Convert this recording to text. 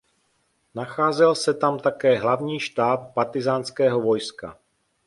Nacházel se tam také hlavní štáb partyzánského vojska.